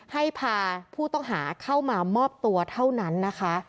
ให้พาผู้ต้องหาเข้ามามอบตัวเท่านั้นนะคะ